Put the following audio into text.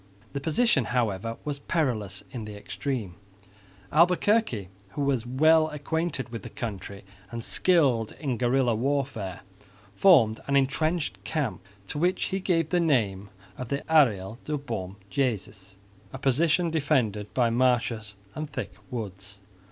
The position, however, was perilous in the extreme. Albuquerque, who was well acquainted with the country and skilled in guerrilla warfare, formed an entrenched camp to which he gave the name of the Arreyal de Bom Jesus, a position defended by marshes and thick woods.